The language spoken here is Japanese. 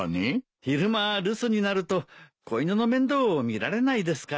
昼間留守になると子犬の面倒を見られないですから。